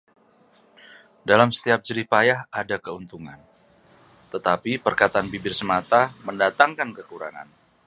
Dalam setiap jerih payah ada keuntungan, tetapi perkataan bibir semata mendatangkan kekurangan.